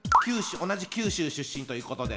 同じ九州出身ということで。